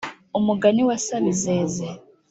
umugani wa sabizeze